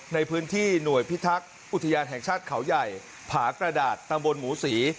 ในพื้นที่หน่วยพิทักษ์อุทยานแห่งชาติเขาใหญ่ผากระดาษตำบลหมูศรี